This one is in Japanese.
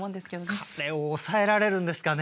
彼を抑えられるんですかね。